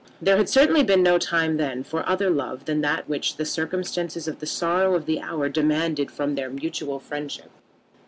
There had certainly been no time then for other love than that which the circumstances and the sorrow of the hour demanded from their mutual friendship.